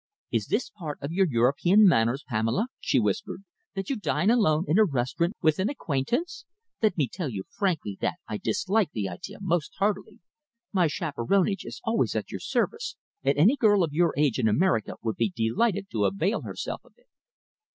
"Is this part of your European manners, Pamela?" she whispered, "that you dine alone in a restaurant with an acquaintance? Let me tell you frankly that I dislike the idea most heartily. My chaperonage is always at your service, and any girl of your age in America would be delighted to avail herself of it."